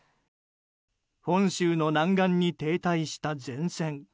本州の南岸に停滞した前線。